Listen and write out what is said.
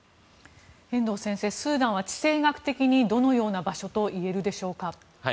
遠藤先生、スーダンは地政学的にどのような場所といえるでしょうか。